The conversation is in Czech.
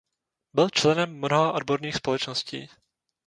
Byl členem mnoha odborných společnosti.